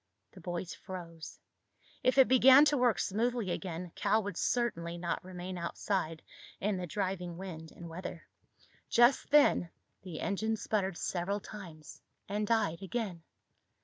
The boys froze. If it began to work smoothly again, Cal would certainly not remain outside in the driving wind and weather. Just then the engine sputtered several times and died again.